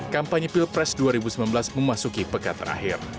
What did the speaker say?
kampanye pilpres dua ribu sembilan belas memasuki pekan terakhir